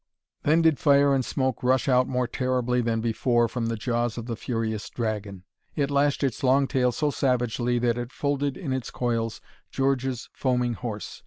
Then did fire and smoke rush out more terribly than before from the jaws of the furious dragon. It lashed its long tail so savagely that it folded in its coils George's foaming horse.